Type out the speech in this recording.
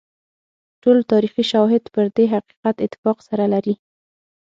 ټول تاریخي شواهد پر دې حقیقت اتفاق سره لري.